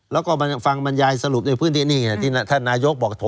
แล้วก็ฟังบรรยายสรุปในพื้นที่นี่ไงที่ท่านนายกบอก